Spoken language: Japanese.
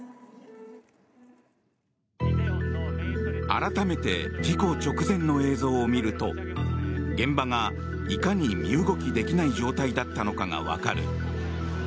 改めて事故直前の映像を見ると現場がいかに身動きできない状態だったのかがわかる。